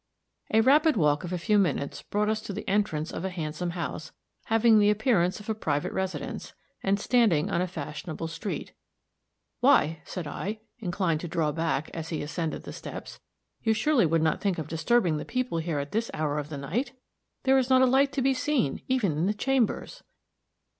A rapid walk of a few minutes brought us to the entrance of a handsome house, having the appearance of a private residence, and standing on a fashionable street. "Why," said I, inclined to draw back, as he ascended the steps, "you surely would not think of disturbing the people here at this hour of the night? There is not a light to be seen, even in the chambers."